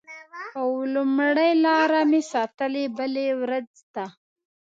اوه…لومړۍ لاره مې ساتلې بلې ورځ ته